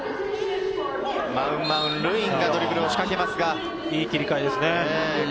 マウン・マウン・ルインがドリブルをいい切り替えですね。